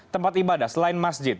tempat ibadah selain masjid